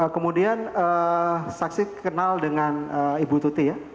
kemudian saksi kenal dengan ibu tuti ya